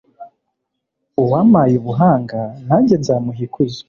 uwampaye ubuhanga, nanjye nzamuha ikuzo